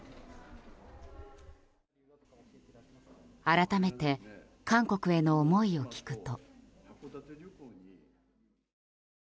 改めて韓国への思いを聞くと。